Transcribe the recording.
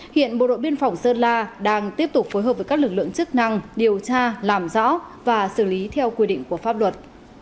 hiện bộ đội biên phòng sơn la đang tiếp tục phối hợp với các lực lượng chức năng điều tra làm rõ và xử lý theo quy định của pháp luật